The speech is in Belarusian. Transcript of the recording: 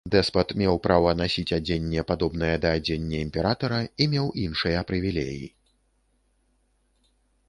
Дэспат меў права насіць адзенне, падобнае да адзення імператара, і меў іншыя прывілеі.